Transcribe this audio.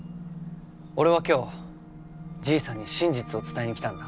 俺は今日じいさんに真実を伝えに来たんだ。